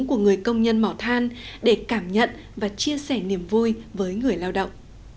của người công nhân mỏ than để cảm nhận và chia sẻ niềm vui với người lao động